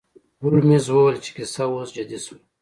هولمز وویل چې کیسه اوس جدي شوه.